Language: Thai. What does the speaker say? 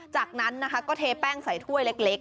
จากนั้นนะคะก็เทแป้งใส่ถ้วยเล็ก